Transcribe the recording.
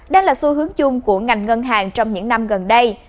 đây là xu hướng chung của ngành ngân hàng trong những năm gần đây